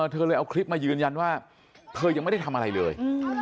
เธอเลยเอาคลิปมายืนยันว่าเธอยังไม่ได้ทำอะไรเลย